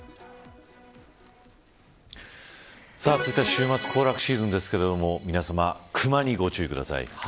続いては週末、行楽シーズンですが皆さまクマにご注意ください。